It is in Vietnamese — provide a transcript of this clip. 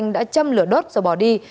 đã châm lửa đốt rồi bỏ đi